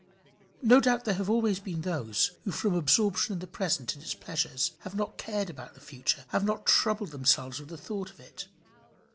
No doubt there have always been those who from absorption in the present and its pleasures, have not cared about the future, have not troubled themselves with the thought of it.